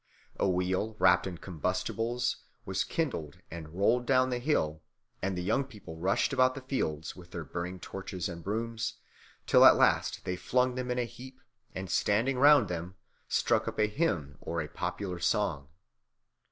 A wheel, wrapt in combustibles, was kindled and rolled down the hill; and the young people rushed about the fields with their burning torches and brooms, till at last they flung them in a heap, and standing round them, struck up a hymn or a popular song.